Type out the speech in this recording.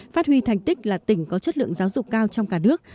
phát huy thành tích là tỉnh có chất lượng giáo dục cao trong cả nước